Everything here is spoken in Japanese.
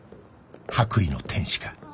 白衣の天使か？